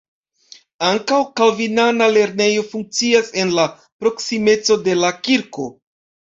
Ankaŭ kalvinana lernejo funkcias en la proksimeco de la kirko.